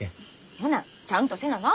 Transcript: ほなちゃんとせなな。